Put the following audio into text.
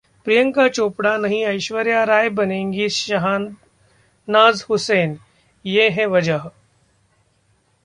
प्रियंका चोपड़ा नहीं ऐश्वर्या राय बनेंगी शहनाज हुसैन, ये है वजह